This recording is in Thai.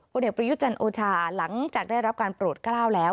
ผู้เด็กประยุจรรย์โอชาห์หลังจากได้รับการโปรดก็เล่าแล้ว